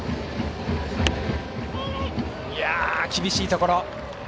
厳しいところ。